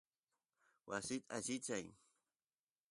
wasi allichay